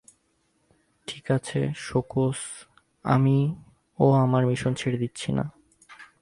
ঠিকাছে, সোকস, আমিও আমার মিশন ছেড়ে দিচ্ছি না।